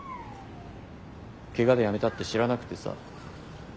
怪我でやめたって知らなくてさ。